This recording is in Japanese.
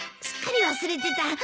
すっかり忘れてた。